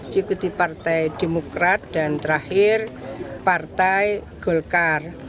diikuti partai demokrat dan terakhir partai golkar